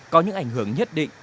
có những ảnh hưởng nhất định